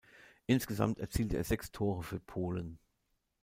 Insgesamt erzielte er sechs Tore für Polen.